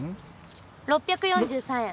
６４３円。